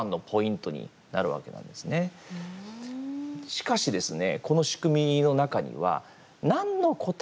しかしですね